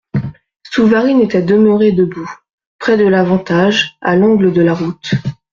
Souvarine était demeuré debout, près de l'Avantage, à l'angle de la route.